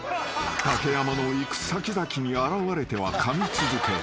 ［竹山の行く先々に現れてはかみ続け］